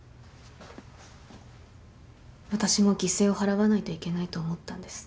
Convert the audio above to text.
私も犠牲を払わないといけないと思ったんです。